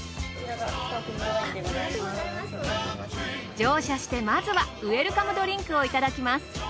乗車してまずはウェルカムドリンクをいただきます。